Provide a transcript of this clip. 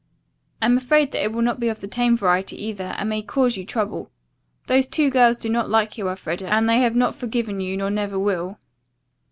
I am afraid that it will not be of the tame variety either, and may cause you trouble. These two girls do not like you, Elfreda, and they have not forgiven you nor never will."